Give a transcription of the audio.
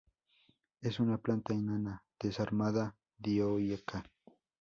Es una planta enana, desarmada, dioica.